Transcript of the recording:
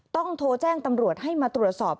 ต้องโทรแจ้งตำรวจให้มาตรวจสอบ